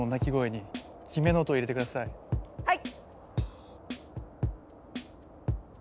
はい！